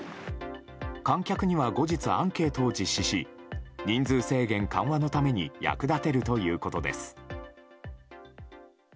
観客には後日アンケートを実施し人数制限緩和のために役立てるということです。